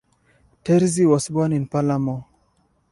Terzi was born in Palermo.